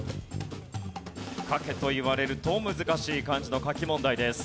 書けと言われると難しい漢字の書き問題です。